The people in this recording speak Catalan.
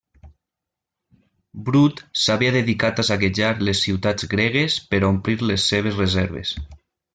Brut s'havia dedicat a saquejar les ciutats gregues per omplir les seves reserves.